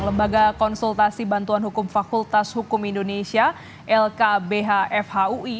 lembaga konsultasi bantuan hukum fakultas hukum indonesia lkbh fhui